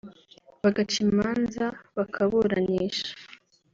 bagaca imanza bakaburanisha